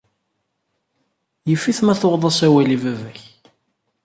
Yif-it ma tuɣeḍ-as awal i baba-k.